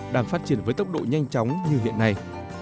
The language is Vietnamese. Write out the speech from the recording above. đang phát triển với tốc độ nhanh chóng như hiện nay